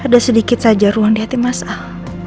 ada sedikit saja ruang di hati mas al